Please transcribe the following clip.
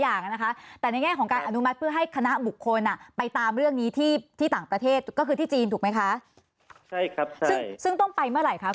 ของค้าตามแต่แห่งของการขออนุมัติเฟื่อให้คณะบุคคลนไปตามเรื่องนี้ที่ต่างประเทศก็คือที่จีนถูกไหมคะใช่ครับใช่